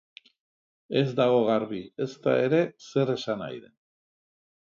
Ez dago garbi, ezta ere, zer esan nahi den.